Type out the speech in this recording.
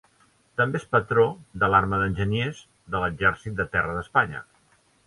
També és patró de l'Arma d'Enginyers de l'Exèrcit de Terra d'Espanya.